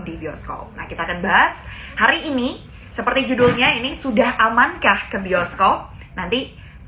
di bioskop nah kita akan bahas hari ini seperti judulnya ini sudah amankah ke bioskop nanti kita akan bahas tentang penampilan di bioskop